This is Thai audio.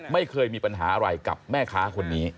ไม่เคยมีปัญหาอะไรกับแม่ค้าคนนี้